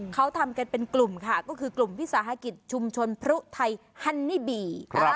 เขาทำกันเป็นกลุ่มค่ะก็คือกลุ่มวิสาหกิจชุมชนพรุไทยฮันนี่บี